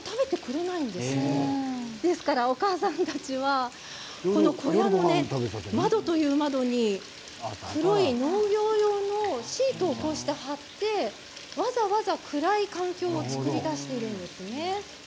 なので、お母さんたちはこの小屋の窓という窓に黒い農業用のシートを貼ってわざわざ暗い環境を作り出しているんです。